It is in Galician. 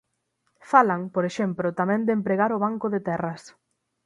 Falan, por exemplo, tamén de empregar o Banco de Terras.